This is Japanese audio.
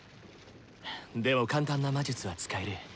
でも簡単な魔術は使える。